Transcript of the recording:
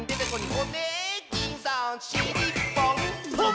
「ホネキンさんしりっぽん」ぽん！